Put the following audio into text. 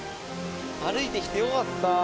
歩いてきてよかった。